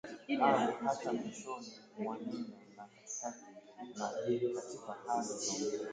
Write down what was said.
Ujenzi wa Akili